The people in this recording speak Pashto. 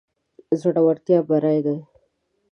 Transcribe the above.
زړورتيا بري ده.